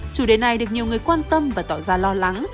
chủ đề này được nhiều người quan tâm và tỏ ra lo lắng